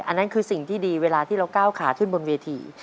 อันนั้นคือสิ่งที่ดีเวลาที่เราก้าวขาขึ้นบนเวที